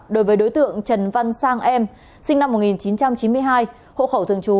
đối với đối tượng trần văn sang em sinh năm một nghìn chín trăm chín mươi hai hộ khẩu thường trú